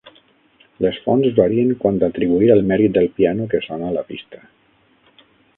Les fonts varien quant a atribuir el mèrit del piano que sona a la pista